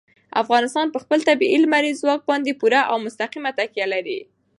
افغانستان په خپل طبیعي لمریز ځواک باندې پوره او مستقیمه تکیه لري.